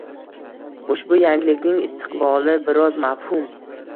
Ushbu yangilikning istiqboli biroz mavhum.